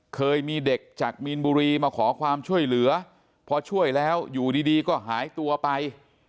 เคยมีเด็กจากมีนบุรีมาขอความช่วยเหลือพอช่วยแล้วอยู่ดีก็หายตัวไป